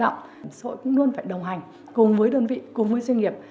bảo hiểm xã hội cũng luôn phải đồng hành cùng với đơn vị cùng với doanh nghiệp